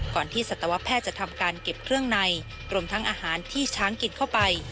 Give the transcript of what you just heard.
ที่สัตวแพทย์จะทำการเก็บเครื่องในรวมทั้งอาหารที่ช้างกินเข้าไป